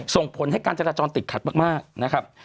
ส่งผลให้การจราจรติดขัดมากนะครับ